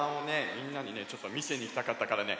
みんなにねちょっとみせにいきたかったからね